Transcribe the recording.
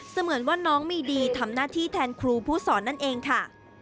เหมือนว่าน้องมีดีทำหน้าที่แทนครูผู้สอนนั่นเองค่ะ